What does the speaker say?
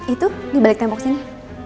itu dibalik tembok sini